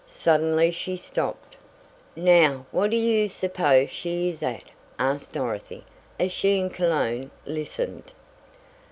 Suddenly she stopped. "Now what do you suppose she is at?" asked Dorothy, as she and Cologne listened.